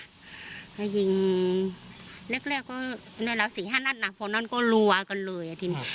ก็ยิงเรียกก็เนื้อแล้วสี่ห้านัดน่ะพวกนั้นก็ลัวกันเลยอาทิตย์